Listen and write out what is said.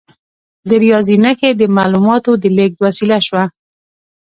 د ریاضي نښې د معلوماتو د لیږد وسیله شوه.